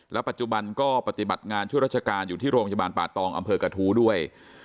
ปัจจุบันก็ปฏิบัติงานช่วยราชการอยู่ที่โรงพยาบาลป่าตองอำเภอกระทู้ด้วย